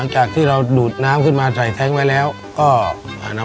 ในแคมเปญพิเศษเกมต่อชีวิตโรงเรียนของหนู